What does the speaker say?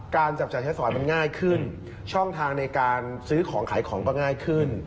จับจ่ายใช้สอยมันง่ายขึ้นช่องทางในการซื้อของขายของก็ง่ายขึ้น